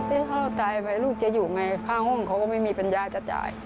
ที่เขาตายไปลูกจะอยู่ไงค่าห้องเขาก็ไม่มีปัญญาจะจ่าย